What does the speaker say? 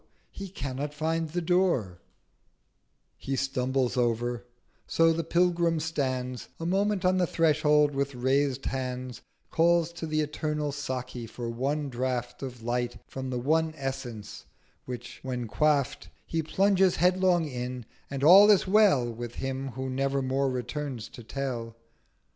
he cannot find the Door He stumbles over—So the Pilgrim stands A moment on the Threshold—with raised Hands Calls to the eternal Saki for one Draught Of Light from the One Essence: which when quaff'd, He plunges headlong in: and all is well With him who never more returns to tell.